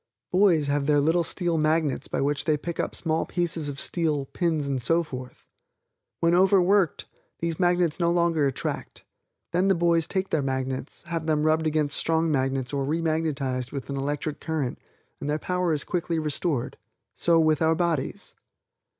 Boys have their little steel magnets by which they pick up small pieces of steel, pins and so forth. When overworked, these magnets no longer attract. Then the boys take their magnets, have them rubbed against strong magnets or remagnetized with an electric current and their power is quickly restored so with our bodies.